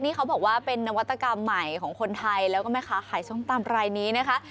นี่เขาบอกว่าเป็นนวัตกรรมใหม่ของคนไทยแล้วก็แม่ค้าขายส้มตำรายนี้นะคะ